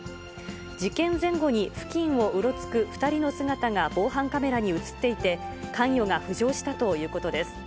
事件前後に付近をうろつく２人の姿が防犯カメラに写っていて、関与が浮上したということです。